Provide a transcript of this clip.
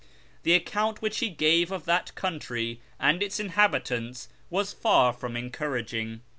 The account which he gave of that country and its inhabitants was far from encouraging.